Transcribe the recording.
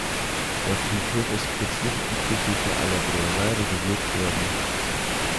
Der Friedhof ist kürzlich inklusive aller Gräber renoviert worden.